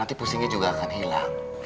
dia juga akan hilang